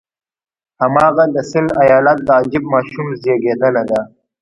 هماغه د سند ایالت د عجیب ماشوم زېږېدنه ده.